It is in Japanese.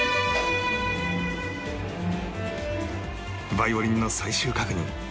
ヴァイオリンの最終確認